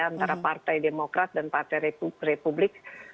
antara partai demokrat dan partai republik